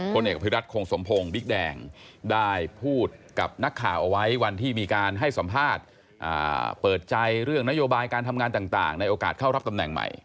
เอกอภิรัตคงสมพงศ์บิ๊กแดงได้พูดกับนักข่าวเอาไว้วันที่มีการให้สัมภาษณ์เปิดใจเรื่องนโยบายการทำงานต่างในโอกาสเข้ารับตำแหน่งใหม่